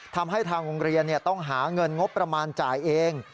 ทางโรงเรียนต้องหาเงินงบประมาณจ่ายเอง